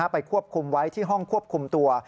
ไปควบคุมไว้ที่ห้องควบคุมตัว